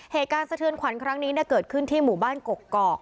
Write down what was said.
สะเทือนขวัญครั้งนี้เกิดขึ้นที่หมู่บ้านกกอก